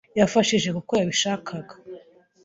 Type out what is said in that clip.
yafashije kuko yabishakaga.